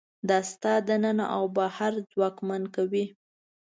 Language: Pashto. دا ستا دننه او بهر ځواکمن کوي.